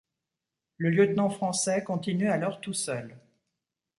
Le lieutenant français continue alors tout seul.